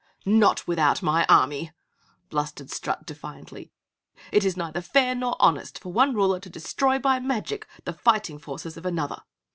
"Not without my army," blustered Strut, defiantly. "It is neither fair nor honest for one ruler to destroy by magic the fighting forces of another!"